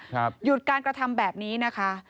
หยุดการกระทำแบบนี้นะคะ